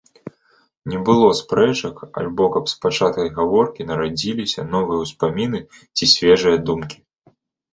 Не было спрэчак альбо каб з пачатай гаворкі нарадзіліся новыя ўспаміны ці свежыя думкі.